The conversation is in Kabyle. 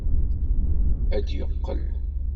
Ad d-yeqqel.